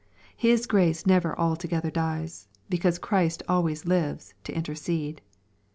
His grace never altogether dies, because Christ always lives to intercede.